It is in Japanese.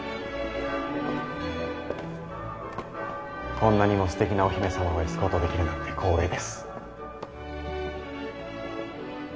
こんなにもすてきなお姫さまをエスコートできるなんて光栄です。